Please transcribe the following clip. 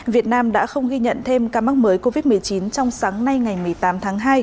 việt nam đã không ghi nhận thêm ca mắc mới covid một mươi chín trong sáng nay ngày một mươi tám tháng hai